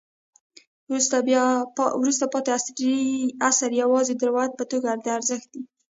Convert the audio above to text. وروسته پاتې عصر یوازې د روایت په توګه د ارزښت دی.